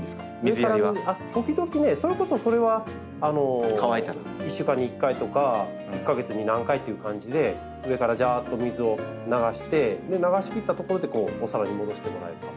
上から時々ねそれこそそれは１週間に１回とか１か月に何回という感じで上からじゃっと水を流して流しきったところでお皿に戻してもらえれば。